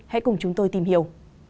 hãy cùng chúng tôi tìm hiểu